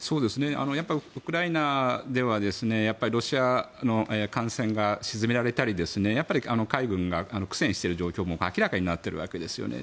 やっぱりウクライナではロシアの艦船が沈められたり海軍が苦戦している状況も明らかになっているわけですね。